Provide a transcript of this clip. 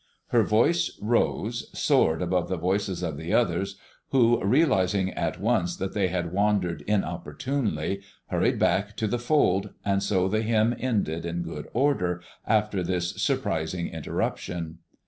Her voice rose, soared above the voices of the others, who, realizing at once that they had wandered inopportunely, hurried back to the fold, and so the hymn ended in good order after this surprising interruption.